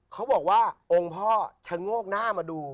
เขาบอกว่าองค์พ่อชะโงกหน้ามาดู